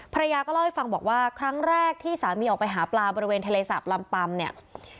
ภรรยาก็เล่าให้ฟังบอกว่าครั้งแรกที่สามีออกไปหาปลาบริเวณทะเลสาบลำปัมเนี่ย